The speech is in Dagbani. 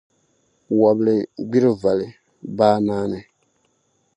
Wabili gbiri voli, baa naani.